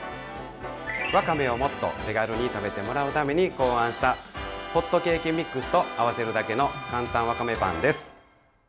わかめをもっと手軽に食べてもらうために考案したホットケーキミックスと合わせるだけのかんたんわかめパンです。